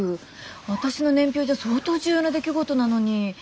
私の年表じゃ相当重要な出来事なのに。